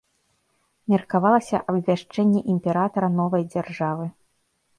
Меркавалася абвяшчэнне імператара новай дзяржавы.